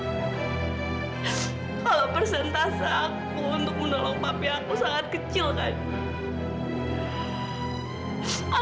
kalau persentase aku untuk menolong papia aku sangat kecil kayaknya